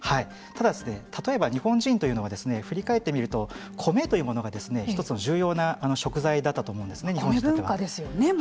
ただ、例えば日本人というのは振り返ってみると米というものが一つの重要な食材だったと思うんですね。